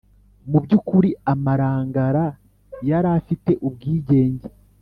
mu by'ukuri amarangara yari afite ubwigenge